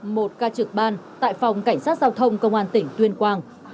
một ca trực ban tại phòng cảnh sát giao thông công an tỉnh tuyên quang